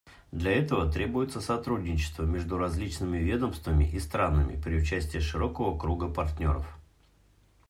Для этого требуется сотрудничество между различными ведомствами и странами при участии широкого круга партнеров.